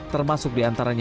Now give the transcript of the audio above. termasuk di antaranya